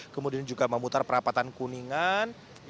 kemudian juga memutar perapatan kuningan